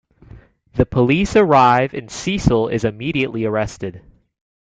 The police arrive and Cecil is immediately arrested.